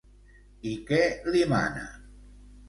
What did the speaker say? I què li mana?